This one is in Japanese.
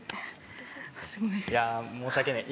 いや申し訳ない。